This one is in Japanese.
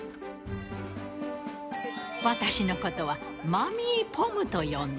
私のことはマミー・ポムと呼んで。